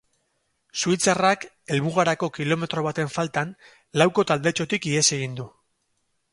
Suitzarrak helmugarako kilometro baten faltan lauko taldetxorik ihes egin du.